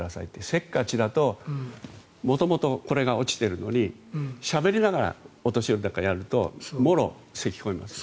せっかちだと元々これが落ちてるのにしゃべりながら、お年寄りだからやるともろせき込みます。